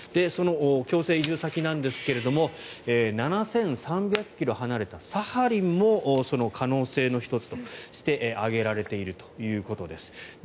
その強制移住先なんですが７３００ｋｍ離れたサハリンもその可能性の１つとして挙げられているということです。